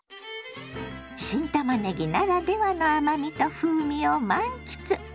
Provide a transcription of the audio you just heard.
新たまねぎならではの甘みと風味を満喫。